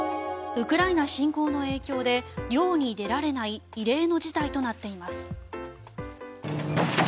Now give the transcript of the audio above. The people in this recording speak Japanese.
ウクライナ侵攻の影響で漁に出られない異例の事態となっています。